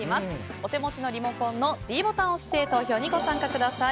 お手持ちのリモコンのｄボタンを押して投票してください。